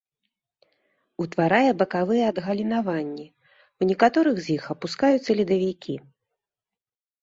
Утварае бакавыя адгалінаванні, у некаторых з іх апускаюцца ледавікі.